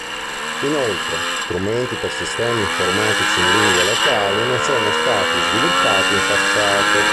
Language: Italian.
Inoltre, strumenti per sistemi informatici in lingue locali non sono stati sviluppati in passato.